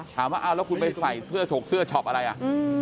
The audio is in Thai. ถามว่าเอาแล้วคุณไปใส่เสื้อฉกเสื้อช็อปอะไรอ่ะ